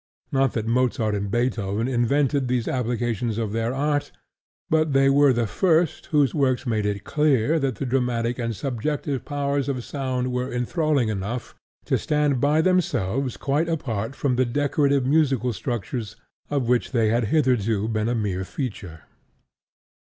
Not that Mozart and Beethoven invented these applications of their art; but they were the first whose works made it clear that the dramatic and subjective powers of sound were enthralling enough to stand by themselves quite apart from the decorative musical structures of which they had hitherto been a mere feature.